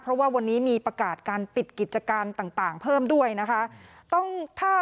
เพราะว่าวันนี้มีประกาศการปิดกิจการต่างเพิ่มด้วยนะคะ